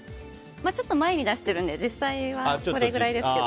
ちょっと前に出してるので実際は小さいですけど。